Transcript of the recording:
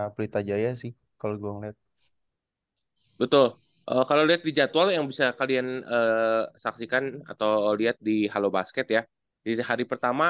betul kalau dia terjatuh yang bisa kalian saksikan atau lihat di halo basket ya jadi hari pertama